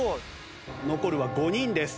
残るは５人です。